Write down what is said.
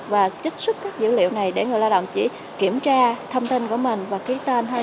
và trích xuất các dữ liệu này để người lao động chỉ kiểm tra thông tin của mình và ký tên thôi